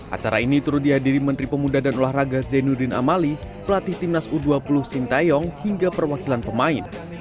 acara ini turut dihadiri menteri pemuda dan olahraga zainuddin amali pelatih timnas u dua puluh sintayong hingga perwakilan pemain